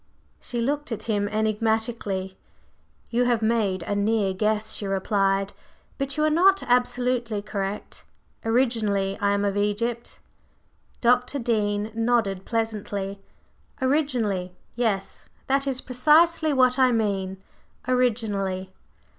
She looked at him enigmatically. "You have made a near guess," she replied; "but you are not absolutely correct. Originally, I am of Egypt." Dr. Dean nodded pleasantly. "Originally, yes. That is precisely what I mean originally!